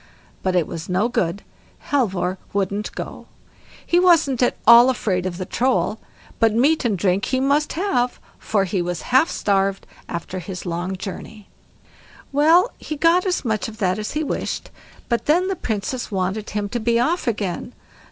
But it was no good, Halvor wouldn't go; he wasn't at all afraid of the Troll, but meat and drink he must have, for he was half starved after his long journey. Well, he got as much of that as he wished, but then the Princess wanted him to be off again.